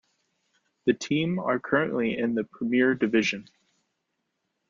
The team are currently in the Premier Division.